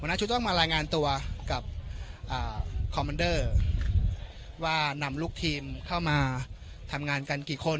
หัวหน้าชุดต้องมารายงานตัวกับอ่าว่านำลูกทีมเข้ามาทำงานกันกี่คน